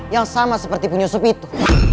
yang sama seperti penyusup itu